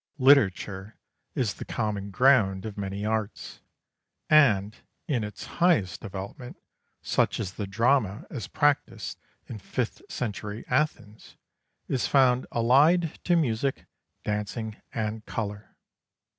Literature is the common ground of many arts, and in its highest development, such as the drama as practised in fifth century Athens, is found allied to music, dancing, and colour.